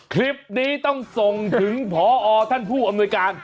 คลิปนี้ต้องส่งถึงพอท่านผู้อำนวยการ